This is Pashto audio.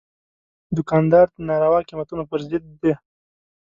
دوکاندار د ناروا قیمتونو پر ضد دی.